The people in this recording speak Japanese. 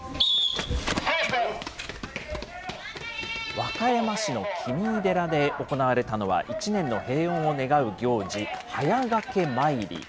和歌山市の紀三井寺で行われたのは、一年の平穏を願う行事、速駈詣り。